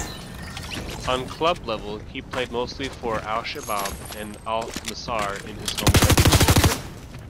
On club level, he played mostly for Al-Shabab and Al-Nasr in his home country.